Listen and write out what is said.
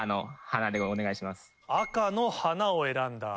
赤の花を選んだ。